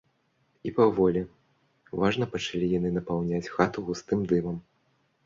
І паволі, важна пачалі яны напаўняць хату густым дымам.